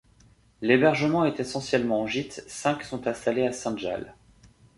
L'hébergement est essentiellement en gîtes, cinq sont installés à Sainte-Jalle.